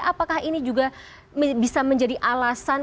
apakah ini juga bisa menjadi alasan